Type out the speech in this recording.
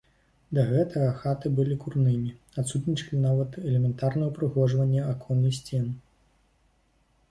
Да гэтага хаты былі курнымі, адсутнічалі нават элементарныя ўпрыгожванні акон і сцен.